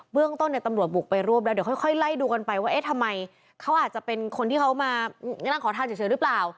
เรื่องต้นเนี่ยตำรวจบุกไปรวบแล้วเดี๋ยวค่อยไล่ดูกันไปว่าเอ๊ะทำไมเขาอาจจะเป็นคนที่เขามานั่งขอทานเฉยหรือเปล่า